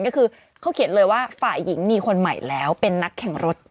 ก็คือเขาเขียนเลยว่าฝ่ายหญิงมีคนใหม่แล้วเป็นนักแข่งรถ